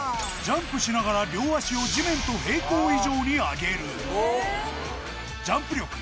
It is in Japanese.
ジャンプしながら両脚を地面と平行以上に上げるジャンプ力